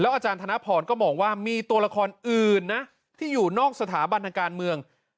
อาจารย์ธนพรก็มองว่ามีตัวละครอื่นนะที่อยู่นอกสถาบันทางการเมือง